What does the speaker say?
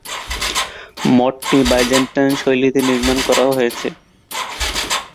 মঠটি Byzantine শৈলীতে নির্মাণ করা হয়েছে।